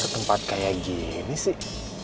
tempat kayak gini sih